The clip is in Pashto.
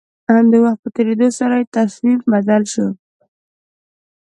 د وخت په تېرېدو سره يې تصميم بدل شو.